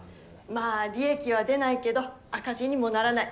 まあ利益は出ないけど赤字にもならない。